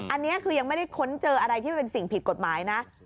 อันนี้คือยังไม่ได้ค้นเจออะไรที่มันเป็นสิ่งผิดกฎหมายนะ